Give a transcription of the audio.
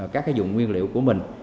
các cái vùng nguyên liệu của mình